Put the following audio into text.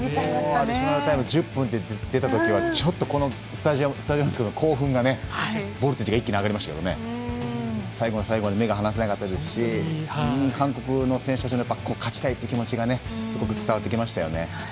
アディショナルタイム１０分って出たときはちょっと、このスタジオも興奮がボルテージが一気に上がりましたけどね最後の最後まで目が離せなかったですし韓国の選手たちの勝ちたい！っていうきもちがすごく伝わってきましたよね。